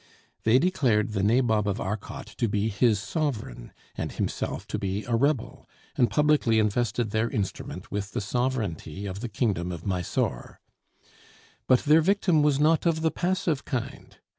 They declared the Nabob of Arcot to be his sovereign, and himself to be a rebel, and publicly invested their instrument with the sovereignty of the kingdom of Mysore. But their victim was not of the passive kind.